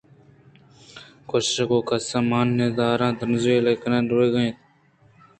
کشک ءَ کسّ ءَ مان نیاران ءُ ترٛانپوٛلی کنان ءُ رَوَگ ءَ اَت